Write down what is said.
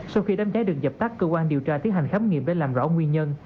sau khi đám cháy được dập tắt cơ quan điều tra tiến hành khám nghiệm để làm rõ nguyên nhân